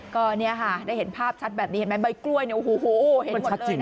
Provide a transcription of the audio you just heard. ก็ได้เห็นภาพชัดแบบนี้ใบกล้วยเห็นหมดเลย